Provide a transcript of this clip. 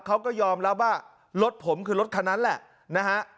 เขาก็ยอมรับว่ารถผมคือรถคันนั้นแหละนะฮะ